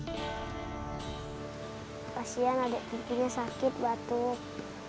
kasian adik pipinya sakit batuk